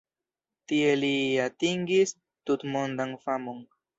Tie li atingis tutmondan famon.